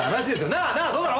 なあなあそうだろ？